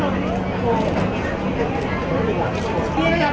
ก็ไม่มีคนกลับมาหรือเปล่า